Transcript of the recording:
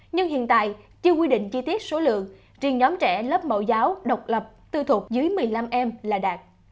nhưng hiện tại chưa quy định chi tiết số lượng riêng nhóm trẻ lớp mẫu giáo độc lập tư thuộc dưới một mươi năm em là đạt